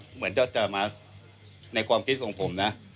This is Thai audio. เหมือนจะมาในความคิดของผมนะ